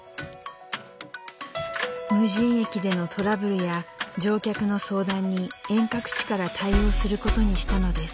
無人駅でのトラブルや乗客の相談に遠隔地から対応することにしたのです。